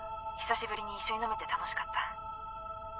久しぶりにいっしょに飲めて楽しかった。